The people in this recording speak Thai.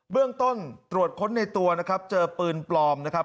เรื่องต้นตรวจค้นในตัวนะครับเจอปืนปลอมนะครับ